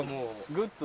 グッと。